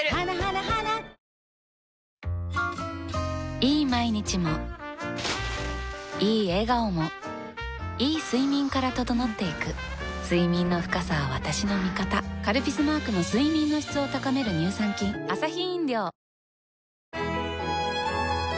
いい毎日もいい笑顔もいい睡眠から整っていく睡眠の深さは私の味方「カルピス」マークの睡眠の質を高める乳酸菌さて